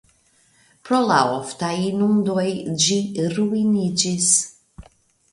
Pro la oftaj inundoj ĝi ruiniĝis.